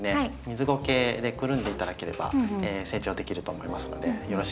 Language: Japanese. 水ごけでくるんで頂ければ成長できると思いますのでよろしいかと思います。